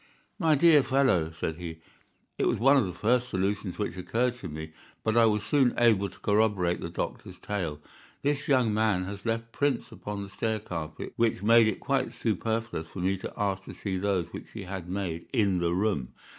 "My dear fellow," said he, "it was one of the first solutions which occurred to me, but I was soon able to corroborate the doctor's tale. This young man has left prints upon the stair carpet which made it quite superfluous for me to ask to see those which he had made in the room.